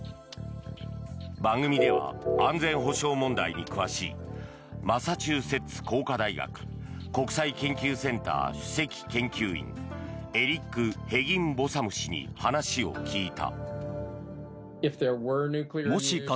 番組では、安全保障問題に詳しいマサチューセッツ工科大学国際研究センター主席研究員エリック・ヘギンボサム氏に話を聞いた。